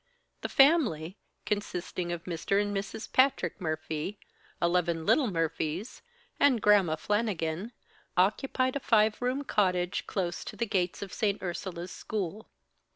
The family consisting of Mr. and Mrs. Patrick Murphy, eleven little Murphys and "Gramma" Flannigan occupied a five room cottage close to the gates of St. Ursula's school.